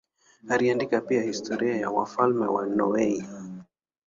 Aliandika pia historia ya wafalme wa Norwei.